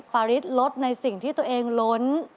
ฟาริสลดในสิ่งที่ตัวเองล้น